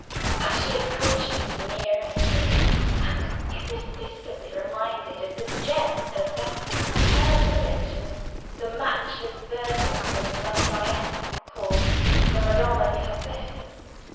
As she approached me, nearer and nearer, I was irresistibly reminded of the gem of that superb collection the matchless Virgin of Raphael, called "The Madonna di San Sisto."